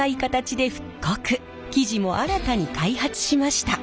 生地も新たに開発しました。